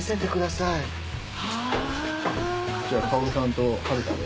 じゃあ薫さんと遥で。